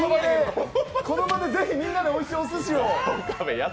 この場でぜひみんなでおいしいおすしを。